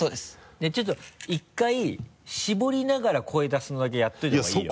じゃあちょっと１回絞りながら声出すのだけやっといた方がいいよ。